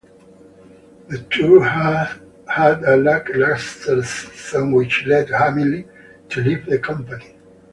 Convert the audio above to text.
The tour had a lackluster season which led Hamill to leave the company.